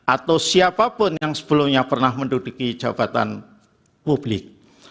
atau siapapun yang sebelumnya pernah menduduki jabatan publik